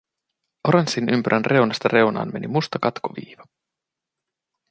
Oranssin ympyrän reunasta reunaan meni musta katkoviiva.